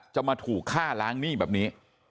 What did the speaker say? จะมาถูกฆ่าล้างหนี้แบบนี้